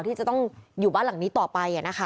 ที่จะต้องอยู่บ้านหลังนี้ต่อไป